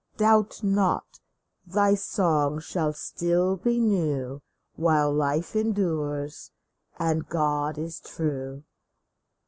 Doubt not, thy song shall still be new While life endures and God is true